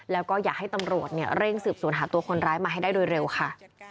แล้วก็อยากให้ตำรวจเร่งสืบสวนหาตัวคนร้ายมาให้ได้โดยเร็วค่ะ